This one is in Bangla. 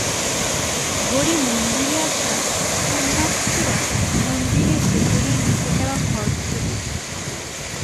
ভোরে মন্দিরে আসা পুণ্যার্থীরা মন্দিরের ভেতরে নিভে যাওয়া খড়কুটো দেখতে পান।